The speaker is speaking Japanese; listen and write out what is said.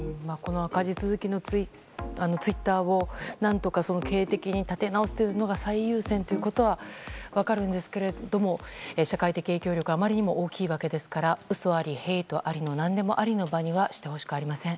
赤字続きのツイッターを何とか経営的に立て直すことが最優先ということは分かるんですけれども社会的影響力があまりにも大きいわけですから嘘あり、ヘイトありのなんでもありの場にはしてほしくありません。